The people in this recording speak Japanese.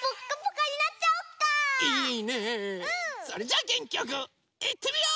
それじゃあげんきよくいってみよう！